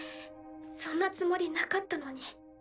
そんなつもりなかったのに。